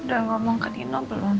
udah ngomong ke dino belum